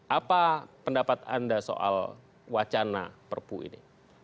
apa pendapat anda soal wacana perpu ini